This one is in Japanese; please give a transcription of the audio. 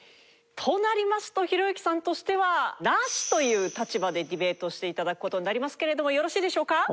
となりますとひろゆきさんとしてはナシという立場でディベートをして頂く事になりますけれどもよろしいでしょうか？